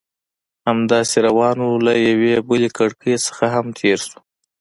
همداسې روان وو، له یوې بلې کړکۍ څخه هم تېر شوو.